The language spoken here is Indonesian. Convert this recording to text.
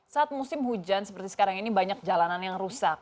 saat musim hujan seperti sekarang ini banyak jalanan yang rusak